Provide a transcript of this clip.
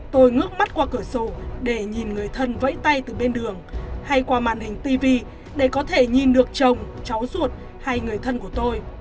tôi ngước mắt qua cửa sổ để nhìn người thân vẫy tay từ bên đường hay qua màn hình tv để có thể nhìn được chồng cháu ruột hay người thân của tôi